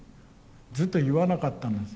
ずっと言わなかったんです。